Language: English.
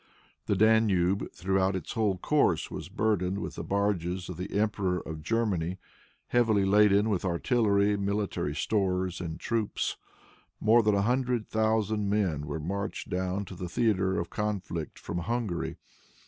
The Danube, throughout its whole course, was burdened with the barges of the Emperor of Germany, heavily laden with artillery, military stores and troops. More than a hundred thousand men were marched down to the theater of conflict from Hungary.